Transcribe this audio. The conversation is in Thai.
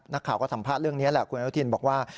นักข่าวก็สัมภาษณ์เรื่องนี้แหละคุณอนุทินบอกว่า